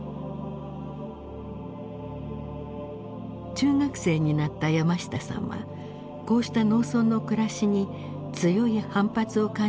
中学生になった山下さんはこうした農村の暮らしに強い反発を感じるようになります。